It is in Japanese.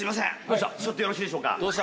ちょっとよろしいでしょうか？